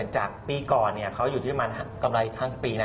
จากปีก่อนเขาอยู่ที่มากำไรอีก๕๐ปีนะ